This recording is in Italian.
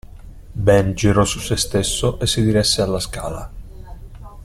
Ben girò su sé stesso e si diresse alla scala.